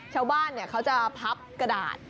ชาวบ้านเขาจะพับกระดาษ